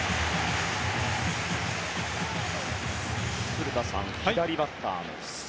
古田さん、左バッターの外。